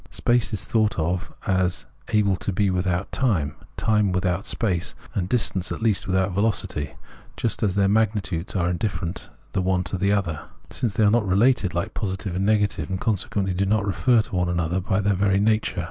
Space is thought of as able to be without time, time without space, and distance at least without velocity — just as their magnitudes are indifferent the one to the other, since they are not related like positive and negative, and consequently do not refer to one another by their very nature.